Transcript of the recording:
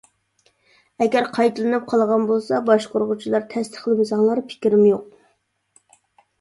ئەگەر قايتىلىنىپ قالغان بولسا باشقۇرغۇچىلار تەستىقلىمىساڭلار پىكرىم يوق.